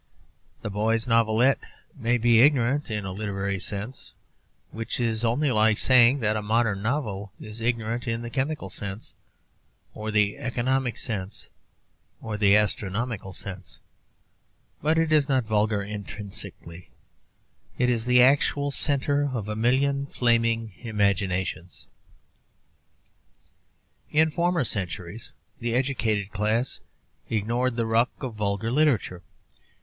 The boy's novelette may be ignorant in a literary sense, which is only like saying that a modern novel is ignorant in the chemical sense, or the economic sense, or the astronomical sense; but it is not vulgar intrinsically it is the actual centre of a million flaming imaginations. In former centuries the educated class ignored the ruck of vulgar literature.